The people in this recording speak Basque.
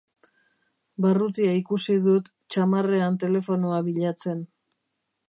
Barrutia ikusi dut txamarrean telefonoa bilatzen.